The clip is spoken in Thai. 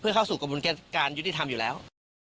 เข้าสู่กระบวนการยุติธรรมอยู่แล้ว